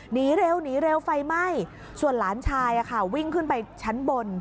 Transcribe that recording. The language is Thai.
หนีเร็วหนีเร็วไฟไหม้ส่วนหลานชายวิ่งขึ้นไปชั้นบน